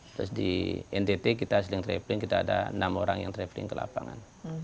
terus di ntt kita ada enam orang yang travelling ke lapangan